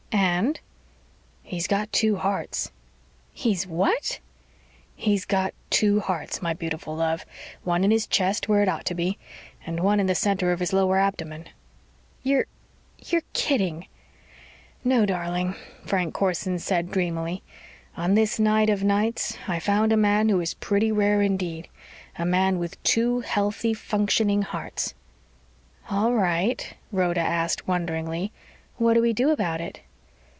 "And ...?" "He's got two hearts." "He's what?" "He's got two hearts, my beautiful love. One in his chest, where it ought to be, and one in the center of his lower abdomen." "You're you're kidding." "No, darling," Frank Corson said dreamily. "On this night of nights I found a man who is pretty rare indeed. A man with two healthy, functioning hearts." "All right," Rhoda asked wonderingly. "What do we do about it?"